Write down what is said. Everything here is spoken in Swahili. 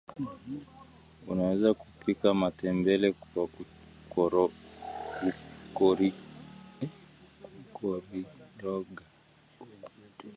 unaweza kupika matembele kwa kukoriroga